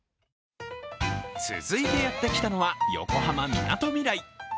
続いてやってきたのは横浜・みなとみらい。